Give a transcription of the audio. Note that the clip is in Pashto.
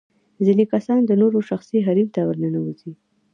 ځينې کسان د نورو شخصي حريم ته ورننوزي.